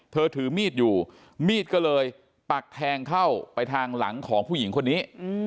ถือมีดอยู่มีดก็เลยปักแทงเข้าไปทางหลังของผู้หญิงคนนี้